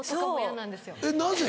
なぜ？